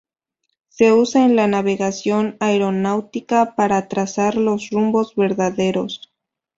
Se usa en la navegación aeronáutica para trazar los rumbos verdaderos.